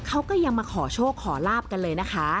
เขาก็ยังมาขอโชคขอลาบกันเลยนะคะ